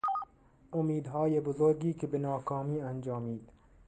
امیدهای بزرگی که به ناکامی انجامید